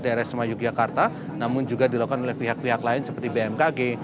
drs semayogyakarta namun juga dilakukan oleh pihak pihak lain seperti bmkg